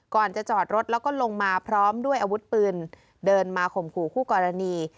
ก่อนจะจอดรถแล้วก็ลงมาพร้อมด้วยอาวุธปืนเดินมาข่มขู่คู่กรณี